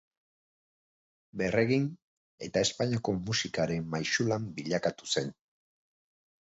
Berregin eta Espainiako musikaren maisulan bilakatu zen.